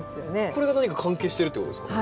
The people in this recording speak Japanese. これが何か関係してるってことですか？